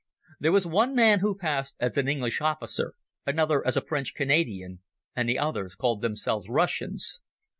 There was one man who passed as an English officer, another as a French Canadian, and the others called themselves Russians.